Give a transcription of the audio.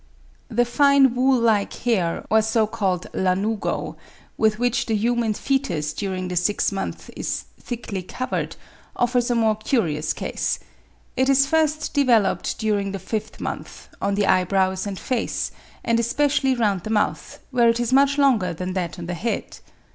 The fine wool like hair, or so called lanugo, with which the human foetus during the sixth month is thickly covered, offers a more curious case. It is first developed, during the fifth month, on the eyebrows and face, and especially round the mouth, where it is much longer than that on the head.